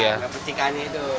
iya percikannya itu